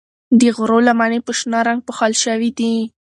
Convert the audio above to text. د غرو لمنې په شنه رنګ پوښل شوي دي.